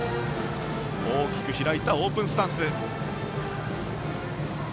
大きく開いたオープンスタンス。